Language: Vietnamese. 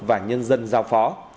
và nhân dân giao phó